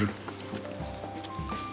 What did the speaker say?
そう。